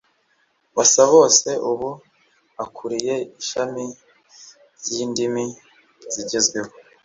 Basabose ubu akuriye ishami ry’Indimi zigezweho